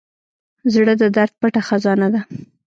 زړه د درد پټه خزانه ده.